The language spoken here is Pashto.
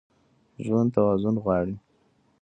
ژوند توازن غواړي.